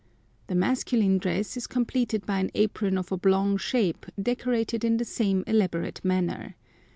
The masculine dress is completed by an apron of oblong shape decorated in the same elaborate manner.